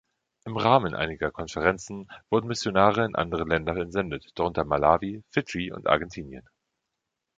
Im Rahmen einiger Konferenzen wurden Missionare in andere Länder entsendet, darunter Malawi, Fidschi und Argentinien.